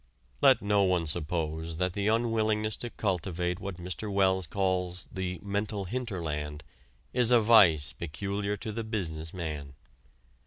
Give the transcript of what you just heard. Let no one suppose that the unwillingness to cultivate what Mr. Wells calls the "mental hinterland" is a vice peculiar to the business man.